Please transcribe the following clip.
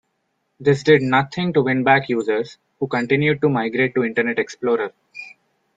This did nothing to win back users, who continued to migrate to Internet Explorer.